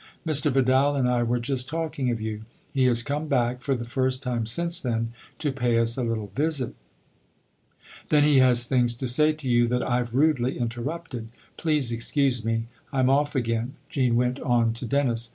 " Mr. Vidal and I were just talking of you. He has come back, for the first time since then, to pay us a little visit." "Then he has things to say to you that I've rudely interrupted. Please excuse me I'm off again," Jean went on to Dennis.